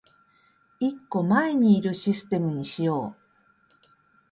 一個前にいるシステムにしよう